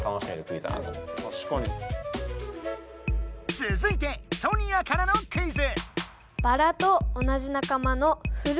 つづいてソニアからのクイズ！